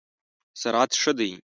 سرعت ښه دی؟